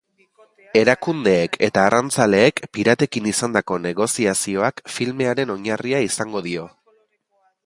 Erakundeek eta arrantzaleek piratekin izandako negoziazioak filmearen oinarria izango dio.